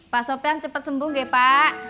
pak sopyan cepat sembuh nggak pak